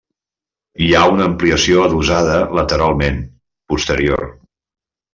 Hi ha una ampliació adossada lateralment, posterior.